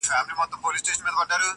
هغه چوپ ناست وي تل,